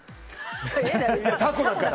タコだから。